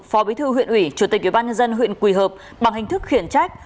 phó bí thư huyện ủy chủ tịch ubnd huyện quỳ hợp bằng hình thức khiển trách